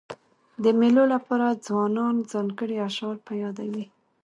د مېلو له پاره ځوانان ځانګړي اشعار په یادوي.